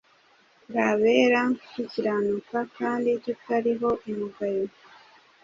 turi abera, dukiranuka, kandi tutariho umugayo: